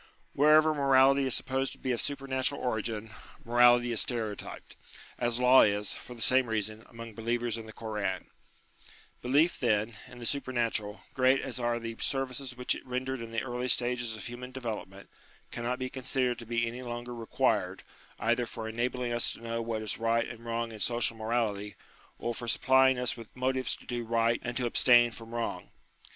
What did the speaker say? Wherever morality is supposed to be of supernatural origin, morality is stereotyped ; as law is, for the same reason, among believers in the Koran. H 100 UTILITY OF RELIGION Belief, then, in the supernatural, great as are the services which it rendered in the early stages of human development, cannot be considered to be any longer required, either for enabling us to know what is right and wrong in social morality, or for supply ing us with motives to do right and to abstain from wrong.